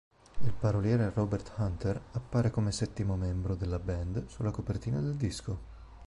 Il paroliere Robert Hunter appare come settimo membro della band sulla copertina del disco.